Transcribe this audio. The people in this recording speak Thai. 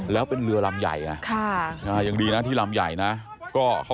แล้วเป็นเรือลำใหญ่ไงยังดีนะที่ลำใหญ่นะ